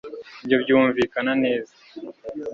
ibyo byumvikana neza